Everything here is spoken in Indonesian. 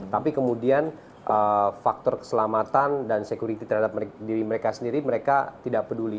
tapi kemudian faktor keselamatan dan security terhadap diri mereka sendiri mereka tidak peduli